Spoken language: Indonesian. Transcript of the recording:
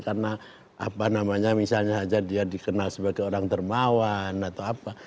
karena apa namanya misalnya aja dia dikenal sebagai orang termawan atau apa